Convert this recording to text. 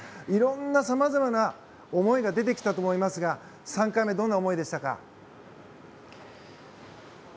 いろんな、さまざまな思いが出てきたと思いますが３回目、どんな思いでしたか？